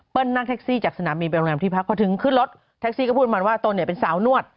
นั่งแท็กซี่จากสนามบินไปโรงแรมที่พักพอถึงขึ้นรถแท็กซี่ก็พูดประมาณว่าตนเนี่ยเป็นสาวนวด